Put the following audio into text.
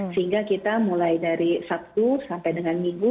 sehingga kita mulai dari sabtu sampai dengan minggu